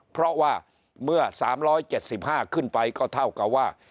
เพราะว่าเมื่อสามร้อยเจ็ดสิบห้าขึ้นไปก็เท่ากับว่า